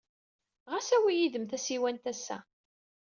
Ɣas awey yid-m tasiwant ass-a.